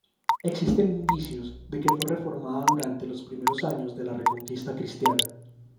Existen indicios de que fue reformada durante los primeros años de la Reconquista cristiana.